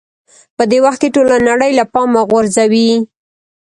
په دې وخت کې ټوله نړۍ له پامه غورځوئ.